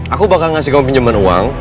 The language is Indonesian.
aku bakal ngasih kamu pinjaman uang